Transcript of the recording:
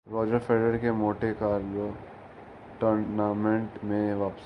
Roger Federer کی Monte Carlo tournament میں واپسی